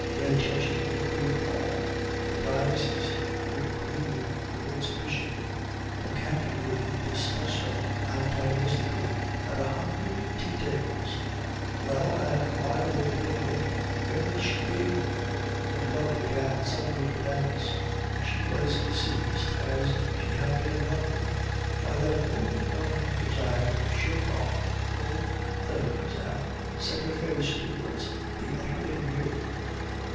Redchester would be appalled. The diocese would grieve for its Bishop. The county would discuss her antagonistically at a hundred tea tables. Well, and while they were doing it, where would she be? Her blood began suddenly to dance. She was seized, as she had been in London, by that overwhelming desire to shake off old things and set her face towards the utterly new.